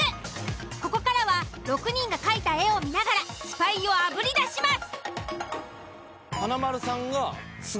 ここからは６人が描いた絵を見ながらスパイをあぶり出します。